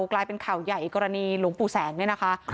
กลายเป็นข่าวใหญ่กรณีหลวงปู่แสงเนี่ยนะคะ